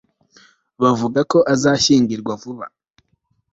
Bavuga ko azashyingirwa vuba